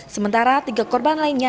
sementara tiga korban lainnya